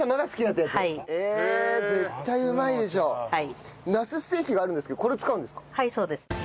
なすステーキがあるんですけどこれ使うんですか？